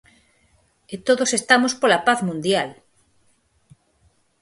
E todos estamos pola paz mundial...!